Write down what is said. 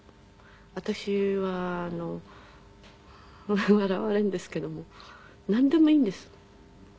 私はあの笑われるんですけどもなんでもいいんです。